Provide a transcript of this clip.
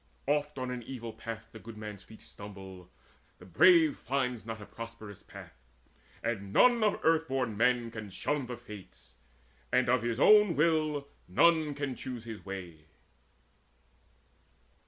Oft on an evil path the good man's feet Stumble, the brave finds not a prosperous path; And none of earth born men can shun the Fates, And of his own will none can choose his way.